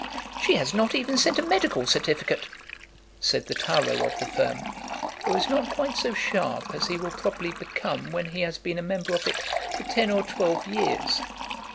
"She has not even sent a medical certificate," said the tyro of the firm, who was not quite so sharp as he will probably become when he has been a member of it for ten or twelve years.